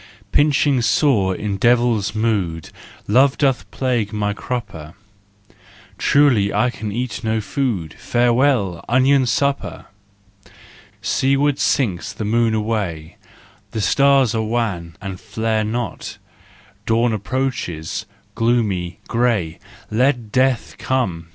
Pinching sore, in devil's mood, Love doth plague my crupper : Truly I can eat no food: Farewell, onion supper! Seaward sinks the moon away, The stars are wan, and flare not: Dawn approaches, gloomy, grey, Let Death come!